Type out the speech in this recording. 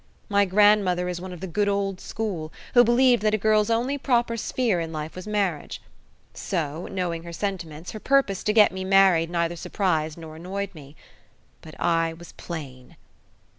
My grandmother is one of the good old school, who believed that a girl's only proper sphere in life was marriage; so, knowing her sentiments, her purpose to get me married neither surprised nor annoyed me. But I was plain.